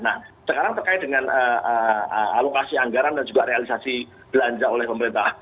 nah sekarang terkait dengan alokasi anggaran dan juga realisasi belanja oleh pemerintah